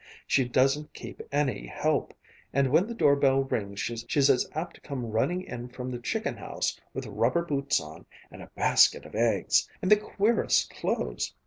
She doesn't keep any help, and when the doorbell rings she's as apt to come running in from the chicken house with rubber boots on, and a basket of eggs and the queerest clothes!